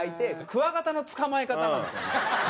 クワガタの捕まえ方なんですよね。